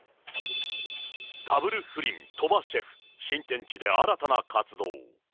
ダブル不倫、鳥羽シェフ、新天地で新たな活動。